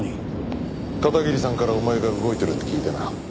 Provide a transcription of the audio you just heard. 片桐さんからお前が動いてるって聞いてな。